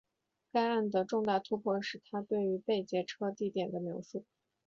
该案的重大突破是她对于被劫车地点的描述。